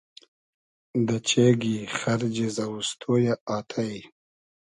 دۂ چېگی خئرجی زئووستۉ یۂ آتݷ